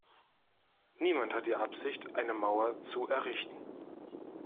Niemand hat die Absicht, eine Mauer zu errichten.